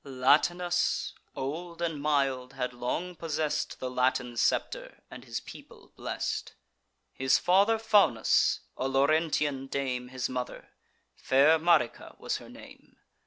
Latinus, old and mild, had long possess'd The Latin scepter, and his people blest: His father Faunus; a Laurentian dame His mother; fair Marica was her name.